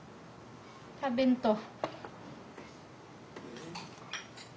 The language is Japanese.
食べんと。